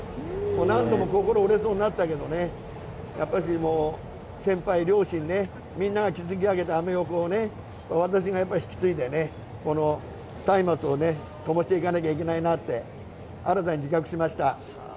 何度も心、折れそうになったけど、先輩、両親、みんなが築き上げたアメ横を私が引き継いでね、たいまつをともしていかないといけないなと新たに自覚しました。